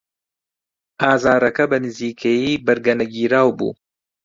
ئازارەکە بەنزیکەیی بەرگەنەگیراو بوو.